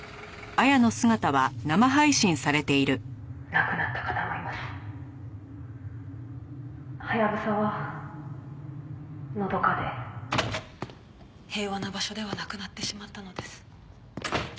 「亡くなった方もいます」「ハヤブサはのどかで平和な場所ではなくなってしまったのです」